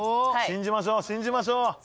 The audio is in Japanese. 信じましょう信じましょう。